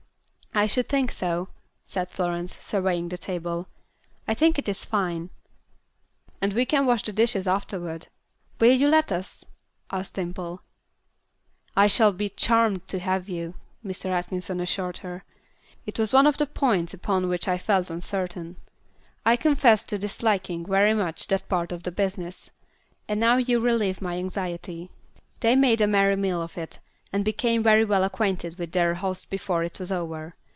"I should think so," said Florence, surveying the table. "I think it is fine." "And we can wash the dishes afterward. Will you let us?" asked Dimple. "I shall be charmed to have you," Mr. Atkinson assured her. "It was one of the points upon which I felt uncertain. I confess to disliking, very much, that part of the business; and now you relieve my anxiety." They made a merry meal of it, and became very well acquainted with their host before it was over.